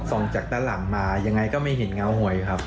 ส่องจากด้านหลังมายังไงก็ไม่เห็นเงาหวยครับ